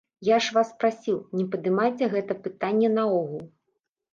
Я ж вас прасіў, не падымайце гэта пытанне наогул!